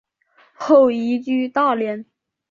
后移居大连。